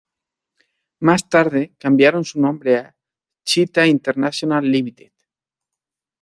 Más tarde cambiaron su nombre a Cheetah International Ltd.